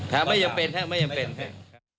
ไม่จำเป็นครับไม่จำเป็นครับ